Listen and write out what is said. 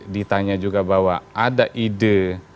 ditanya juga bahwa ada ide